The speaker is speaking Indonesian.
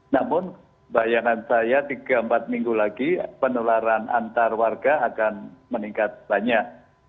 namun bayangan saya tiga empat minggu lagi penularan antar warga akan meningkat banyak